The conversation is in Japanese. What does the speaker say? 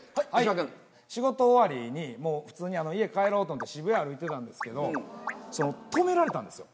仕事終わりに普通に家帰ろうと思って渋谷歩いてたんですけど止められたんですよ